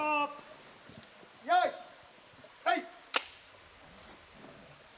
よいはい！